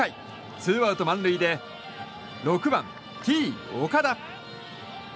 ２アウト満塁で６番、Ｔ−岡田。